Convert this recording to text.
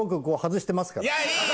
いやいい！